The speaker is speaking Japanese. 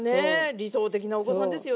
理想的なお子さんですよね。